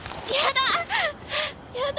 やだ！